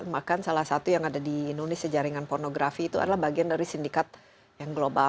bahkan salah satu yang ada di indonesia jaringan pornografi itu adalah bagian dari sindikat yang global